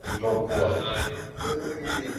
kama makoloni hata kama Marekani ilidai kutokuwa